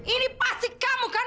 ini pasti kamu kan